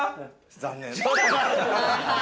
残念。